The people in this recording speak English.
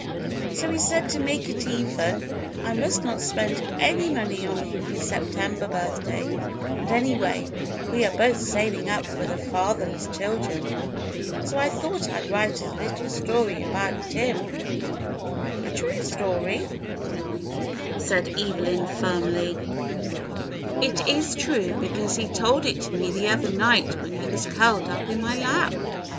So he said to make it even I must not spend any money on his September birthday; and, anyway, we are both saving up for the Fatherless Children. So I thought I'd write a little story about Tim." "A true story.?" asked Nancy. 104 THE BLUE AUNT "A true story," said Evel^^n firmly. "It is true, because he told it to me the other night when he was curled up in my lap."